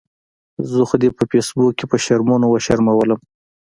زه خو دې په فیسبوک کې په شرمونو وشرمؤلم